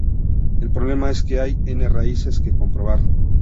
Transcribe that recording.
El problema es que hay "n" raíces que comprobar.